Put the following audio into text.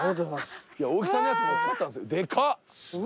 大木さんのやつもでかかったんですよ。